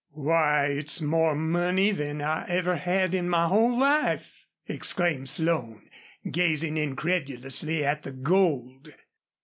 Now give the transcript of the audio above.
"Why, it's more money than I ever had in my whole life!" exclaimed Slone, gazing incredulously at the gold.